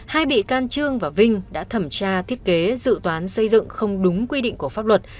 hai bị can trương và vinh đã thẩm tra thiết kế dự toán xây dựng không đúng quy định của pháp luật